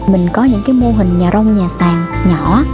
mình có những mô hình nhà rong nhà sàn nhỏ